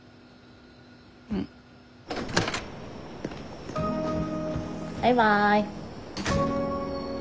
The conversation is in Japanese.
うん。バイバイ。